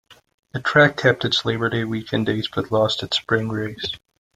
The track kept its Labor Day weekend dates but lost its spring race.